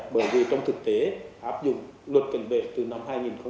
bởi vì trong thực tế áp dụng luật cảnh vệ từ năm hai nghìn một mươi bảy